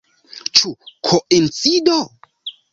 Ĉu koincido?